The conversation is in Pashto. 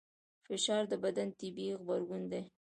فشار د بدن طبیعي غبرګون دی.